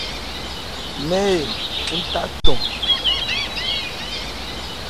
Mɛ́n-an, ń tha cɔn.